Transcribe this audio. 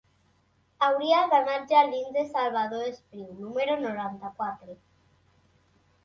Hauria d'anar als jardins de Salvador Espriu número noranta-quatre.